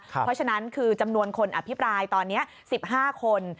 เพราะฉะนั้นคือจำนวนคนอภิปรายตอนนี้๑๕คน